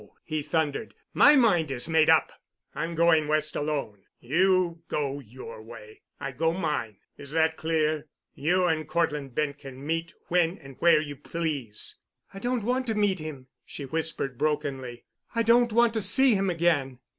he thundered. "My mind is made up. I'm going West alone. You go your way. I go mine. Is that clear? You and Cortland Bent can meet when and where you please." "I don't want to meet him," she whispered brokenly. "I don't want to see him again."